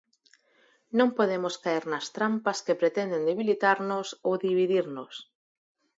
Non podemos caer nas trampas que pretenden debilitarnos ou dividirnos.